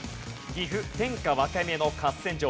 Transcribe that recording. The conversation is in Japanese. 岐阜天下分け目の合戦場。